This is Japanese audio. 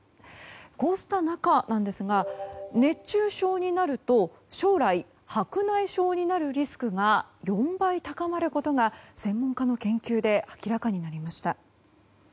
こうした中なんですが熱中症になると将来、白内障になるリスクが４倍高まることが専門家の研究で明らかになりました。